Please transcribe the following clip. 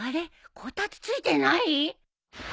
こたつついてない？